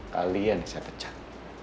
kalian saya pecat